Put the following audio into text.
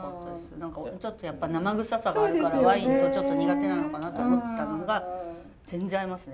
何かちょっとやっぱ生臭さがあるからワインとちょっと苦手なのかなと思ったのが全然合いますね。